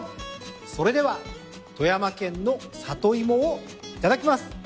それでは富山県のサトイモをいただきます。